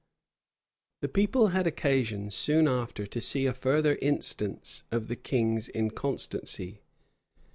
The people had occasion soon after to see a further instance of the king's inconstancy.